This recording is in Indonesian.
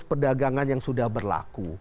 peragangan yang sudah berlaku